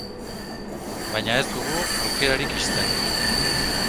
Baina ez dugu aukerarik ixten.